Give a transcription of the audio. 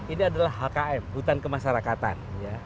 ini adalah hkm hutan kemasyarakatan